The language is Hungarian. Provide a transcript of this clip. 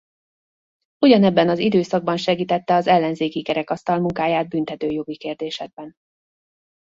Ugyanebben az időszakban segítette az Ellenzéki Kerekasztal munkáját büntetőjogi kérdésekben.